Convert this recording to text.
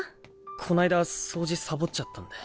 こないだ掃除サボっちゃったんで。